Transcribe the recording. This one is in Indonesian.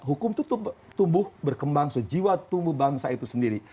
hukum itu tumbuh berkembang sejiwa tumbuh bangsa itu sendiri